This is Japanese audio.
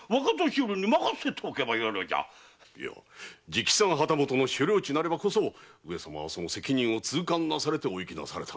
いや直参旗本の所領地なればこそ上様はその責任を痛感なされてお行きなされたのです。